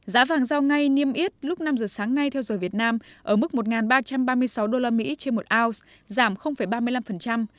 giá vàng giao ngay niêm yết lúc năm giờ sáng nay theo giờ việt nam ở mức một ba trăm ba mươi sáu usd trên một ounce giảm ba mươi năm